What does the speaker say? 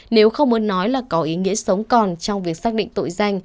nếu không muốn nói là có ý nghĩa sống còn trong việc xác định tội danh